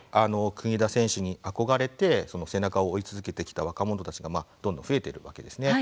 国枝選手に憧れて背中を追い続けてきた若者たちがどんどん増えているわけですね。